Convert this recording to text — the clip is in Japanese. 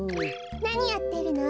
なにやってるの？